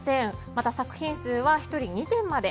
また作品数は１人２点まで。